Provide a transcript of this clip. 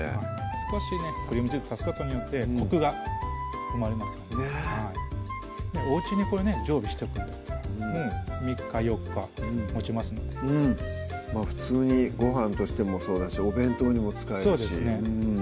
少しねクリームチーズ足すことによってコクが生まれますのでねっおうちにこれね常備しておくんだったら３日・４日もちますのでうん普通にごはんとしてもそうだしお弁当にも使えるしそうですね